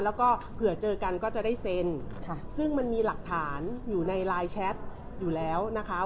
แล้วก็เผื่อเจอกันก็จะได้เซ็นซึ่งมันมีหลักฐานอยู่ในไลน์แชทอยู่แล้วนะคะ